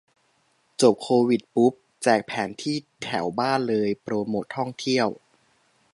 จบโควิดปุ๊บแจกแผนที่แถวบ้านเลย โปรโมตท่องเที่ยว